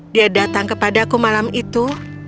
dia datang kepadaku malam itu